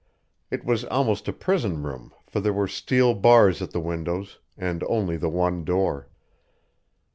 It was almost a prison room, for there were steel bars at the windows, and only the one door.